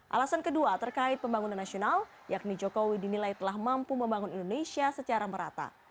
alasan kedua terkait pembangunan nasional yakni jokowi dinilai telah mampu membangun indonesia secara merata